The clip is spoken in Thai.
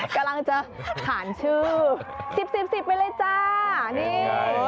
กำลังจะหาชื่อ๑๐๑๐ไปเลยจ้า